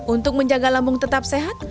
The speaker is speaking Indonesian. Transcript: untuk menjaga lambung tetap sehat